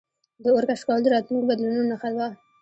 د اور کشف کول د راتلونکو بدلونونو نښه وه.